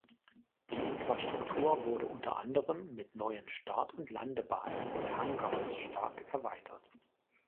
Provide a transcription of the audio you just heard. Die Infrastruktur wurde unter anderem mit neuen Start- und Landebahnen und Hangars stark erweitert.